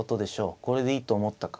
これでいいと思ったか